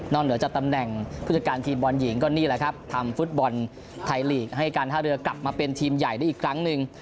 เหนือจากตำแหน่งผู้จัดการทีมบอลหญิงก็นี่แหละครับทำฟุตบอลไทยลีกให้การท่าเรือกลับมาเป็นทีมใหญ่ได้อีกครั้งหนึ่ง